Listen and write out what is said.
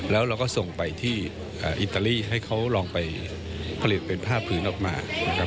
แล้วเราก็ส่งไปที่อิตาลีให้เขาลองไปผลิตเป็นผ้าผืนออกมานะครับ